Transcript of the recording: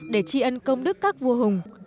để tri ân công đức các vua hùng